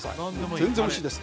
全然おいしいです。